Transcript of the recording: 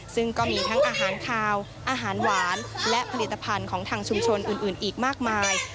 ซึ่งก็มีทั้งอาหารคาวอาหารหวานและผลิตภัณฑ์ของทางชุมชนอื่นอีกมากมาย